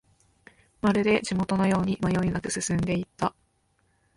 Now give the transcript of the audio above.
まるで地元のように迷いなく進んでいった